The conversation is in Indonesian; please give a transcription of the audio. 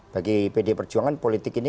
bagi pd perjuangan politik ini